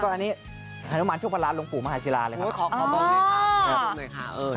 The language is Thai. ก็มีหนูมีขัวพันธุ์ชูคอพันธุ์อ๋านลงผู้